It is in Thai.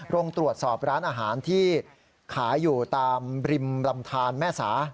ลงตรวจสอบร้านอาหารที่ขายอยู่ตามริมลำทานแม่สา